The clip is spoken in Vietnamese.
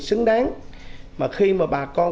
xứng đáng mà khi mà bà con